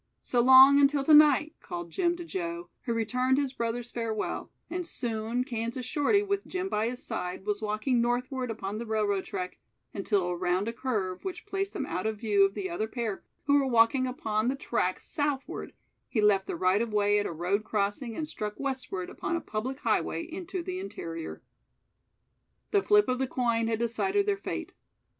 "So long, until tonight," called Jim to Joe, who returned his brother's farewell, and soon Kansas Shorty with Jim by his side was walking northward upon the railroad track, until around a curve, which placed them out of view of the other pair, who were walking upon the track southward, he left the right of way at a road crossing and struck westward upon a public highway into the interior. The flip of the coin had decided their fate.